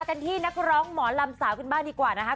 กันที่นักร้องหมอลำสาวกันบ้างดีกว่านะคะ